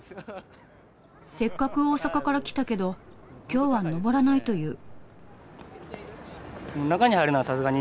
せっかく大阪から来たけど今日はのぼらないと言う。